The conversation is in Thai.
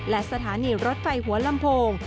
และสถานีรถไฟหัวลำโพง